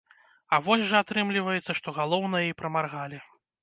А вось жа атрымліваецца, што галоўнае і прамаргалі.